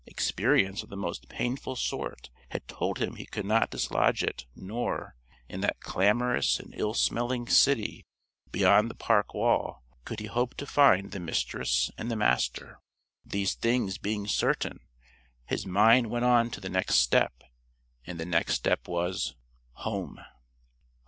Experience of the most painful sort had told him he could not dislodge it nor, in that clamorous and ill smelling city beyond the park wall, could he hope to find the Mistress and the Master. These things being certain, his mind went on to the next step, and the next step was Home!